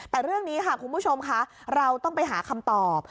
แต่เรื่องนี้ค่ะคุณผู้ชมค่ะเราต้องไปหาคำตอบ